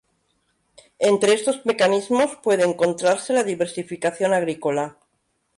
Entre estos mecanismos puede encontrarse la diversificación agrícola.